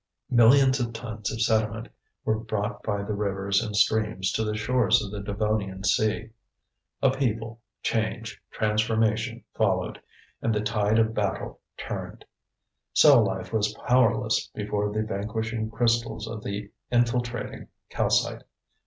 Millions of tons of sediment were brought by the rivers and streams to the shores of the Devonian sea. Upheaval, change, transformation followed, and the tide of battle turned. Cell life was powerless before the vanquishing crystals of the infiltrating calcite.